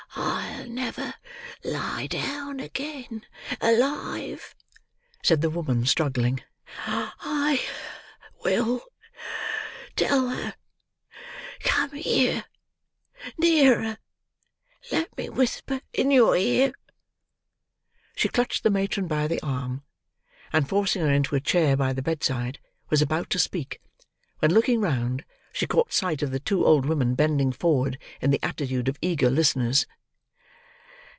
"I'll never lie down again alive!" said the woman, struggling. "I will tell her! Come here! Nearer! Let me whisper in your ear." She clutched the matron by the arm, and forcing her into a chair by the bedside, was about to speak, when looking round, she caught sight of the two old women bending forward in the attitude of eager listeners.